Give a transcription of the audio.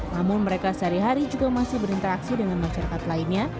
namun mereka sehari hari juga masih berinteraksi dengan masyarakat lainnya